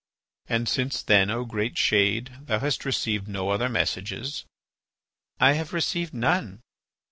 "And since then, O great shade, thou hast received no other messages?" "I have received none."